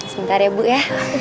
sebentar ya bu ya